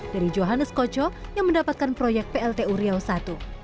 dari johannes kocho yang mendapatkan proyek plt uriau i